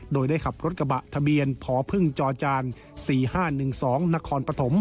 โดยได้ขับรถกระบะทะเบียนพพึ่งจจาน๔๕๑๒นพ